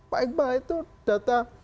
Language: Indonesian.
pak iqbal itu data